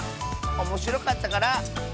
おもしろかったから。